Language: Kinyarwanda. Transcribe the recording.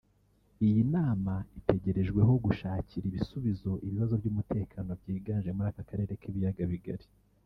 Iyi nama itegerejweho gushakira ibisubizo ibibazo by’umutekano byiganje muri aka karere k’ibiyaga bigari